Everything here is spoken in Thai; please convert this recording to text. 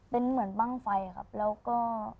เป็นเหมือนบ้างไฟครับแล้วก็